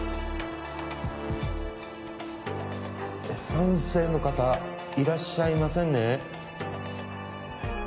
賛成の方いらっしゃいませんね？